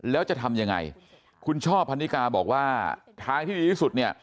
แล้วจะทำยังไงคุณช่อพันนิกาบอกว่าทางที่ดีที่สุดเนี่ย